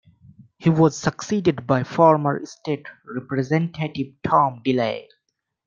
He was succeeded by former state representative Tom DeLay.